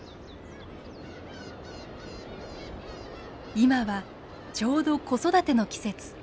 今はちょうど子育ての季節。